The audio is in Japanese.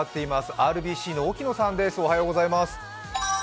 ＲＢＣの沖野さんです。